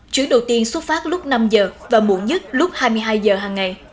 chuyến đầu tiên xuất phát lúc năm giờ và muộn nhất lúc hai mươi hai giờ hằng ngày